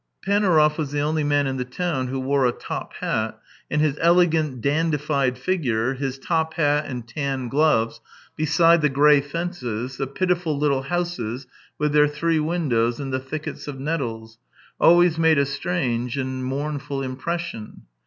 Panaurov was the only man in the town who wore a top hat, and his elegant, dandified figure, his top hat and tan gloves, beside the grey fences, the pitiful little houses, with their three windows and the thickets of nettles, always made a strange and mournful impression.